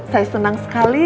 saya senang sekali